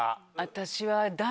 私は。